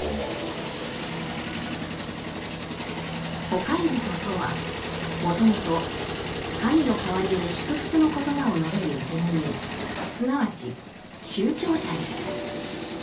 「ほかひゞと」とはもともと神の代わりに祝福の言葉を述べる神人すなわち宗教者でした。